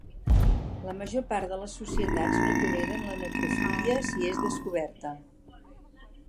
La major part de les societats no toleren la necrofília si és descoberta.